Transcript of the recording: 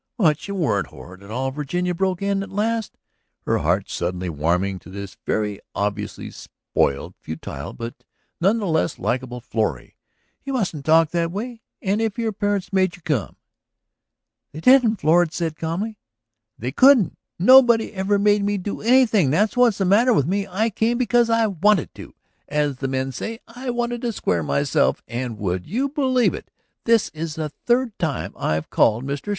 "But you weren't horrid at all," Virginia broke in at last, her heart suddenly warming to this very obviously spoiled, futile, but none the less likable, Florrie. "You mustn't talk that way. And if your parents made you come. ..." "They didn't," said Florrie calmly. "They couldn't. Nobody ever made me do anything; that's what's the matter with me. I came because I wanted to. As the men say, I wanted to square myself. And, would you believe it, this is the third time I have called. Mr.